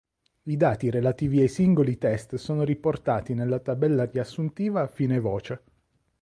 I dati relativi ai singoli test sono riportati nella tabella riassuntiva a fine voce.